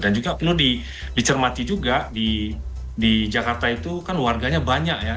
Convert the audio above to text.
dan juga penuh dicermati juga di jakarta itu kan warganya banyak ya